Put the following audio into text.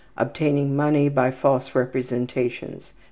Obtaining money by false representations.